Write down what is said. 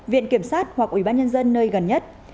viện kiểm sát hoặc ủy ban nhân dân nơi gần nhất